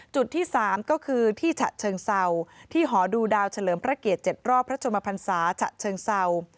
จุดที่๓ก็คือที่ฉะเชิงเศร้าที่หอดูดาวเฉลิมพระเกียรติ๗รอบพระชมพันศาฉะเชิงเศร้า